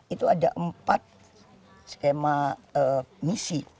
itu ada empat skema misi